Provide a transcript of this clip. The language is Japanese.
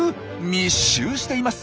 密集しています。